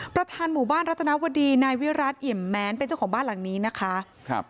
ประธานหมู่บ้านรัฐนาวดีนายวิรัติอิ่มแม้นเป็นเจ้าของบ้านหลังนี้นะคะครับ